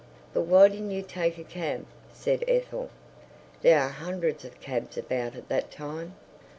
"But why didn't you take a cab?" said Ethel. "There are hundreds of cabs about at that time."